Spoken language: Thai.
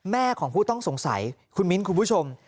แม่ของผู้ต้องสงสัยคุณมิ้นคุณผู้ชม